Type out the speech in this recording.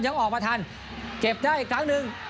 ยังออกมาทันเก็บได้อีกครั้งหนึ่ง